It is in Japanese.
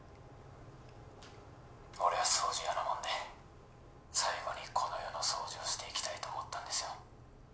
俺は掃除屋なもんで最後にこの世の掃除をしていきたいと思ったんですよ